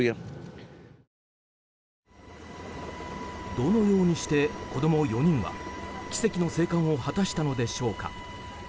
どのようにして、子供４人は奇跡の生還を果たしたのでしょうか。